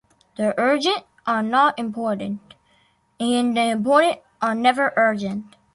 The urgent are not important, and the important are never urgent.